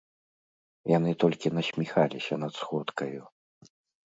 Яны толькі насміхаліся над сходкаю.